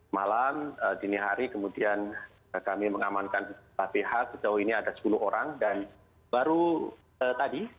malam dini hari kemudian kami mengamankan kph sejauh ini ada sepuluh orang dan baru tadi